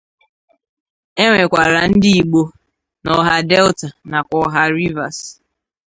Enwekwara ndi Ìgbò na Ọ̀hà Delta nakwa Ọ̀hà Rivas.